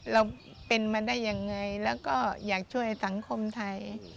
เราเป็นมาได้ยังไงแล้วก็อยากช่วยสังคมไทย